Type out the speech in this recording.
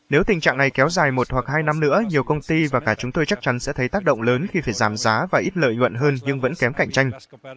nếu tình trạng này kéo dài một hoặc hai năm nữa nhiều công ty và cả chúng tôi chắc chắn sẽ thấy tác động lớn khi phải giảm giá và ít lợi nhuận hơn nhưng vẫn kém cạnh tranh